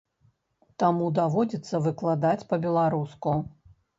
Таму даводзіцца выкладаць па-беларуску.